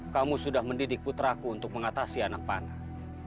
kamu sudah mendidik putraku untuk mengatasi anak panah